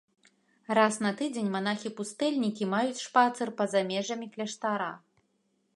Раз на тыдзень манахі-пустэльнікі маюць шпацыр па-за межамі кляштара.